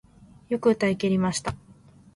よく歌い切りました